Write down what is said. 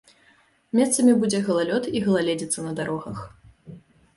Месцамі будзе галалёд і галаледзіца на дарогах.